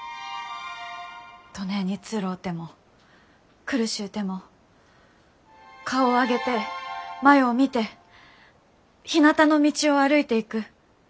どねえにつろうても苦しゅうても顔を上げて前う見てひなたの道を歩いていく。